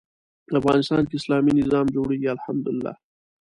افغانستان کې اسلامي نظام جوړېږي الحمد لله.